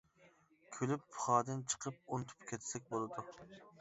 كۈلۈپ پۇخادىن چىقىپ ئۇنتۇپ كەتسەك بولىدۇ.